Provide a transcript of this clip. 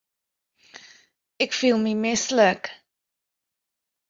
Ik fiel my mislik.